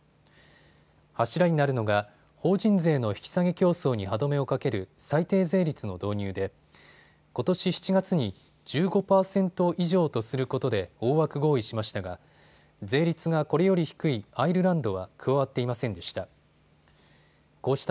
柱になるのが法人税の引き下げ競争に歯止めをかける最低税率の導入でことし７月に１５％以上とすることで大枠合意しましたが税率がこれより低いアイルランドは加わっていませんでした。